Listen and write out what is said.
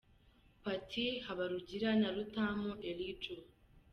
Paty Habarugira na Rutamu Elie Joe .